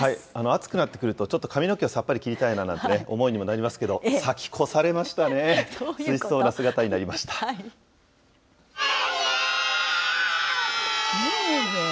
暑くなってくると、ちょっと髪の毛、さっぱり切りたいななんて思いにもなりますけど、先越されましたね、涼しそうな姿になりメーメー。